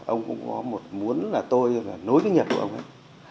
ông cũng có một muốn là tôi nối với nhật của ông ấy